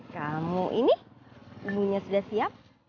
kamu ini ibunya sudah siap